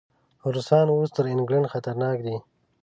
روسان اوس تر انګلینډ خطرناک دي.